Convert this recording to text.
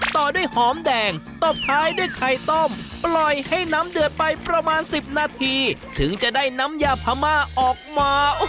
ถึงจะได้น้ำยาพม่าออกมา